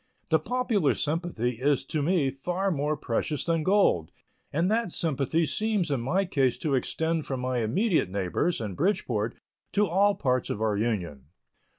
The popular sympathy is to me far more precious than gold, and that sympathy seems in my case to extend from my immediate neighbors, in Bridgeport, to all parts of our Union.